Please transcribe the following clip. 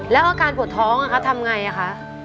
แล้วการปวดท้องอ่ะคะทำไงอ่ะคะ